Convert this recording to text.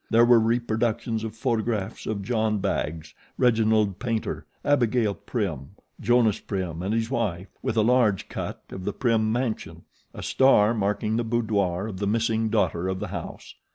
There were reproductions of photographs of John Baggs, Reginald Paynter, Abigail Prim, Jonas Prim, and his wife, with a large cut of the Prim mansion, a star marking the boudoir of the missing daughter of the house.